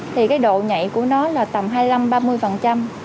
thì cái độ nhạy của nó là tầm hai mươi năm ba mươi